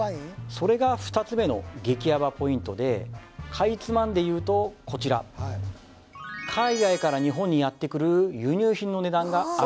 それが２つ目の激ヤバポイントでかいつまんでいうとこちら海外から日本にやって来る